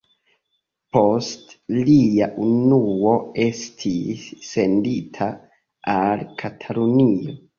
Poste lia unuo estis sendita al Katalunio.